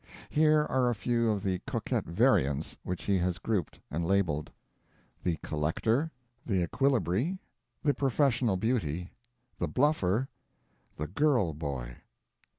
Here are a few of the coquette variants which he has grouped and labeled: THE COLLECTOR. THE EQUILIBREE. THE PROFESSIONAL BEAUTY. THE BLUFFER. THE GIRL BOY.